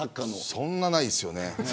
そんなにないですよね